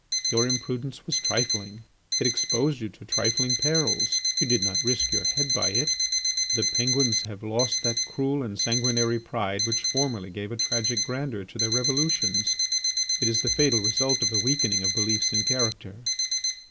Your imprudence was trifling; it exposed you to trifling perils; you did not risk your head by it. The Penguins have lost that cruel and sanguinary pride which formerly gave a tragic grandeur to their revolutions; it is the fatal result of the weakening of beliefs and character.